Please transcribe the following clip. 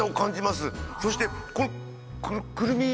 そしてこのくるみ。